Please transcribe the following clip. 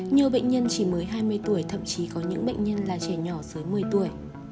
nhiều bệnh nhân chỉ mới hai mươi tuổi thậm chí có những bệnh nhân là trẻ nhỏ dưới một mươi tuổi